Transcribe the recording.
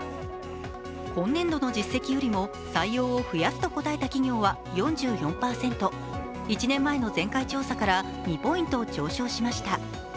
今年度の実績よりも採用を増やすと答えた企業は４４％、１年前の前回調査から２ポイント上昇しました。